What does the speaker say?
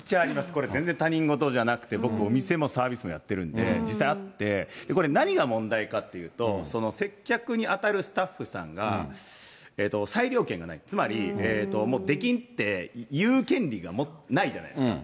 これ全然他人事じゃなくて、僕、お店もサービスもやってるんで、実際あって、これ、何が問題かっていうと、接客にあたるスタッフさんが裁量権がない、つまり、もう出禁って言う権利がないじゃないですか。